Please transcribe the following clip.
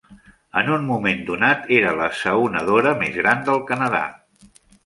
En un moment donat, era l'assaonadora més gran del Canadà.